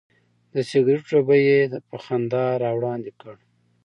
د سګرټو ډبی یې په خندا راوړاندې کړ.